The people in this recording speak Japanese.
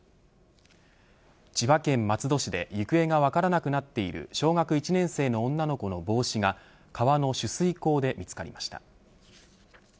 千葉県松戸市で行方が分からなくなっている小学１年生の女の子の帽子が川の取水口で見つかりました。